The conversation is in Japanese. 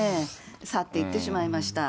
去っていってしまいました。